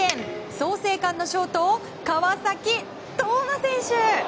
創成館のショート川崎統馬選手！